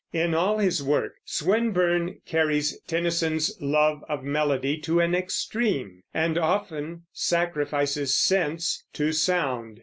In all his work Swinburne carries Tennyson's love of melody to an extreme, and often sacrifices sense to sound.